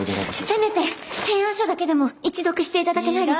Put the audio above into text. せめて提案書だけでも一読していただけないでしょうか？